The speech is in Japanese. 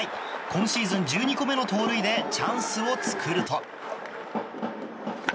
今シーズン１２個目の盗塁でチャンスを作ると。